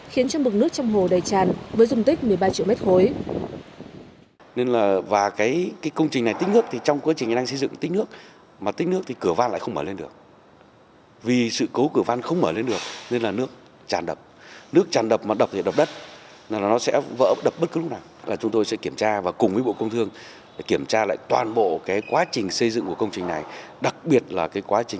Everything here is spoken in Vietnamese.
khiến cho bực nước trong hồ đầy chàn với dùng tích một mươi ba triệu mét khối